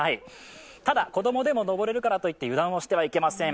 ただ、子供でも登れるからといって油断してはいけません。